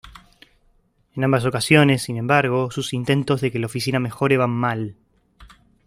En ambas ocasiones, sin embargo, sus intentos de que la oficina mejore van mal.